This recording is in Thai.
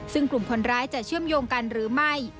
ซึ่งกลุ่มคนร้ายจะเชื่อมโยงกันหรือไม่